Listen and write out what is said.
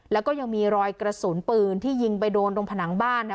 แล้วก็ยังมีรอยกระสุนปืนที่ยิงไปโดนตรงผนังบ้าน